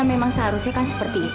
memang seharusnya kan seperti itu